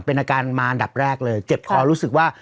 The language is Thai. เป็นอาการมาอันดับแรกเลยเจ็บคอรู้สึกว่า